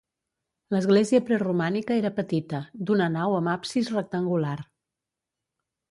L'església preromànica era petita, d'una nau amb absis rectangular.